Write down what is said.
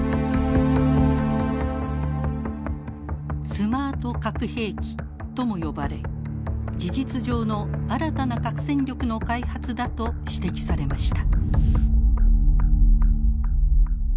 スマート核兵器とも呼ばれ事実上の新たな核戦力の開発だと指摘されました。